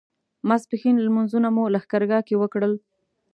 ماسپښین لمونځونه مو لښکرګاه کې وکړل.